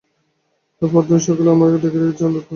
তাই, পরের দিন সকালে, আমি ডেরেককে আমার ধারণার ব্যাপারে বললাম।